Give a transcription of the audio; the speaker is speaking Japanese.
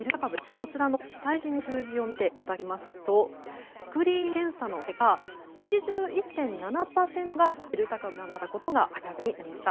こちらの最新の数字を見ていただきますとスクリーニング検査の結果８１．７％がデルタ株などだったことが明らかになりました。